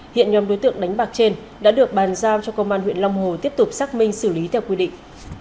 hiện nhóm đối tượng đánh bạc trên đã được bàn giao cho công an huyện long hồ tiếp tục xác minh xử lý theo quy định